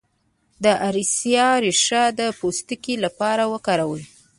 د اریسا ریښه د پوستکي لپاره وکاروئ